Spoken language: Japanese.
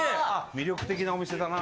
魅力的なお店だな。